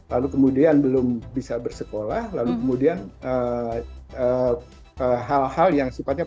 lalu kemudian belum bisa bersekolah lalu kemudian hal hal yang sifatnya